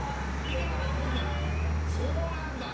今から行くんだそうなんだ